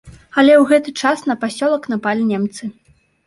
Але ў гэты час на пасёлак напалі немцы.